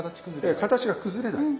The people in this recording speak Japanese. ええ形が崩れない。